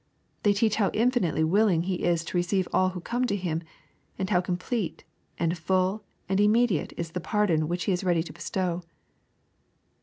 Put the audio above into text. They teach how infinitely willing He is to receive all who come to Him, and how complete, and full, and immediate is the pardon which He is ready to bestow.